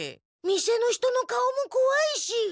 店の人の顔もこわいし！